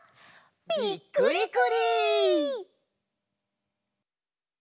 びっくりくり！